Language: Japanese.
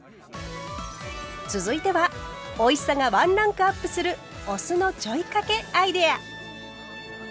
続いてはおいしさがワンランクアップするお酢のちょいかけアイデア！